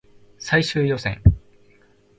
最終予選